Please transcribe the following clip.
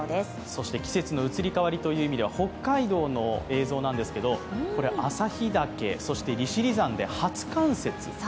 そして季節の移り変わりという意味では、北海道の映像なんですが、旭岳、利尻山で初冠雪。